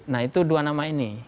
nah itu dua nama ini